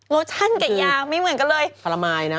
โลชั่นกับยาไม่เหมือนกันเลย